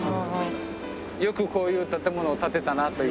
よくこういう建物を建てたなという。